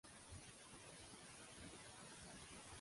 La diòcesi comprèn part l'estat mexicà de Guerrero.